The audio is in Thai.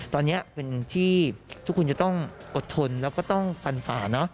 ตอนนี้เป็นที่ทุกคนจะต้องอดทนแล้วก็ต้องฟันฝ่าเนอะ